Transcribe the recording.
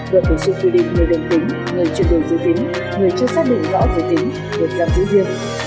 luật hình sự quy định người đơn tính người chuyển đổi dưới tính người chưa xác định rõ dưới tính được giam giữ riêng